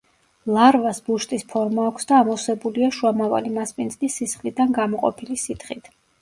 ლარვას ბუშტის ფორმა აქვს და ამოვსებულია შუამავალი მასპინძლის სისხლიდან გამოყოფილი სითხით.